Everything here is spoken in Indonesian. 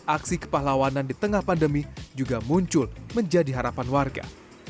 aksi kepahlawanan di tengah pandemi juga muncul menjadi harapan warga